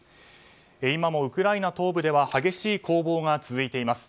今もウクライナ東部では激しい攻防が続いています。